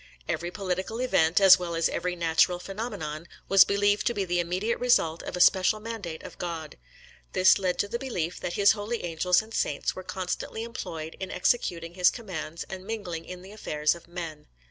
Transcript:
Every political event, as well as every natural phenomenon, was believed to be the immediate result of a special mandate of God. This led to the belief that His holy angels and saints were constantly employed in executing His commands and mingling in the affairs of men.